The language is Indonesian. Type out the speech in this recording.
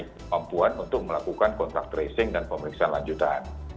mempunyai kemampuan untuk melakukan contact tracing dan pemeriksaan lanjutan